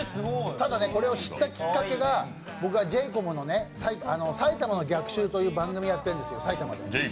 ただ、これを知ったきっかけがＪ：ＣＯＭの「埼玉の逆襲」という番組を私、やってるんですね。